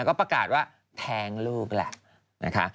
จะขิ้นธาตุว่าแทงลูกแหละ